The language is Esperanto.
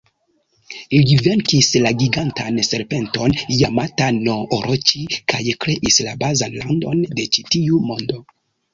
Li venkis la gigantan serpenton Jamata-no-Oroĉi kaj kreis la bazan landon de ĉi-tiu mondo.